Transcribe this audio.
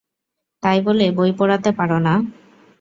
তাই বলে বই পোড়াতে পারো না?